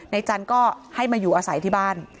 จันทร์ก็ให้มาอยู่อาศัยที่บ้าน